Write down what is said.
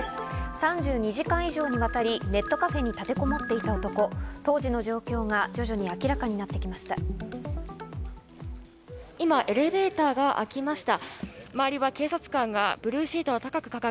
３２時間以上にわたりネットカフェに立てこもっていた男、当時の状況が徐々に明らかになってきました。